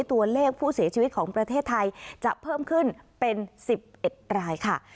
ตัวเลขผู้เสียชีวิตของประเทศไทยจะเพิ่มขึ้นเป็น๑๑รายค่ะ